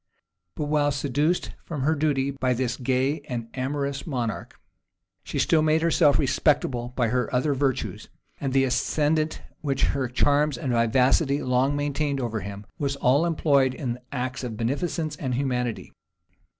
But while seduced from her duty by this gay and amorous monarch, she still made herself respectable by her other virtues; and the ascendant which her charms and vivacity long maintained over him, was all employed in acts of beneficence and humanity.